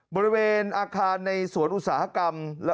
บริเวณอาคารในสวนอุตสาหกรรม